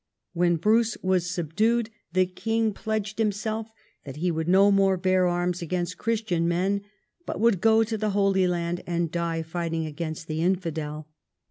When Bruce was subdued, the king pledged himself that he would no more bear arms against Christian men, but would go to the Holy Land and die fighting against the infidel.